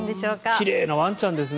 奇麗なワンちゃんですね。